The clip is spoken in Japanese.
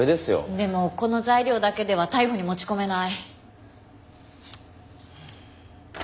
でもこの材料だけでは逮捕に持ち込めない。